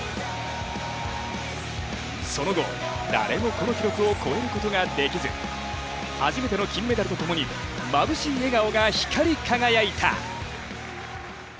その後、誰もこの記録を超えることができず初めての金メダルとともに、まぶしい笑顔が光り輝いた。